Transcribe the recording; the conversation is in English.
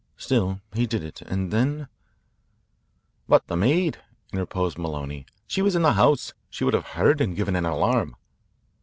Still, he did it and then " "But the maid," interposed Maloney. "She was in the house. She would have heard and given an alarm."